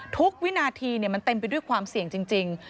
วินาทีมันเต็มไปด้วยความเสี่ยงจริง